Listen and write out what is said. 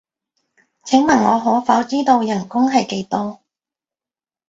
請問我可否知道人工係幾多？